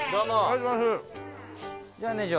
じゃあね常。